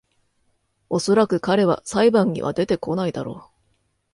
おそらく彼は裁判には出てこないだろ